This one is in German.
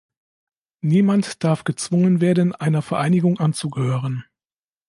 Niemand darf gezwungen werden, einer Vereinigung anzugehören.